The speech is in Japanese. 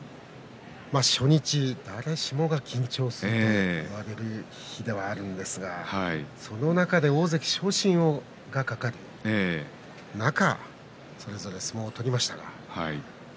初日、誰しもが緊張するといわれる日ではあるんですがその中で大関昇進が懸かる中それぞれ相撲を取りましたが。